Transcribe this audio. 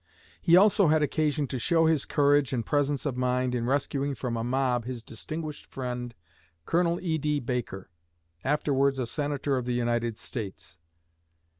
He also had occasion to show his courage and presence of mind in rescuing from a mob his distinguished friend, Col. E.D. Baker, afterwards a Senator of the United States.